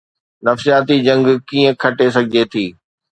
نفسياتي جنگ ڪيئن کٽي سگهجي ٿي؟